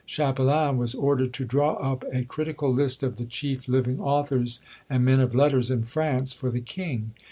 Chapelain was ordered to draw up a critical list of the chief living authors and men of letters in France, for the king.